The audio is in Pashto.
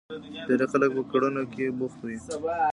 ډېری خلک په کړنو کې بوخت وي.